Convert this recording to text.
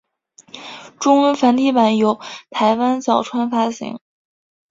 中文繁体版由台湾角川发行。